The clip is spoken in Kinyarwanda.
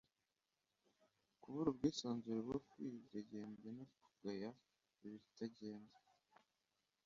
kubura ubwisanzure bwo kwidengembya no kugaya ibitagenda